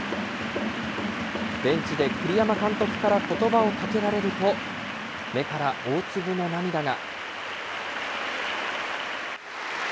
ベンチで栗山監督からことばをかけられると、目から大粒の涙が。